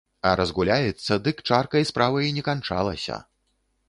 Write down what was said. А разгуляецца, дык чаркай справа і не канчалася.